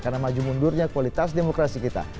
karena maju mundurnya kualitas demokrasi kita